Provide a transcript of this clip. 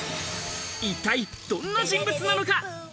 一体どんな人物なのか。